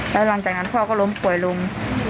แล้วหลังจากนั้นพ่อก็ล้มป่วยลง